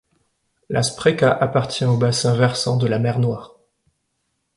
La Spreča appartient au bassin versant de la mer Noire.